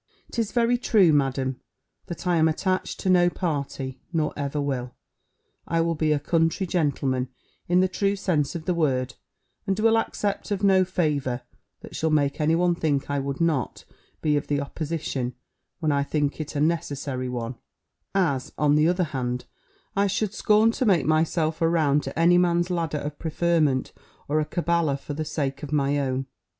"'Tis very true. Madam, that I am attached to no party, nor ever will. I will be a country gentleman, in the true sense of the word, and will accept of no favour that shall make any one think I would not be of the opposition when I think it a necessary one; as, on the other hand, I should scorn to make myself a round to any man's ladder of preferment, or a caballer for the sake of my own."